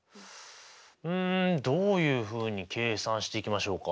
うんどういうふうに計算していきましょうか。